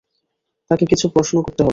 তাকে কিছু প্রশ্ন করতে হবে।